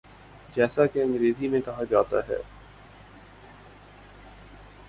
جیسا کہ انگریزی میں کہا جاتا ہے۔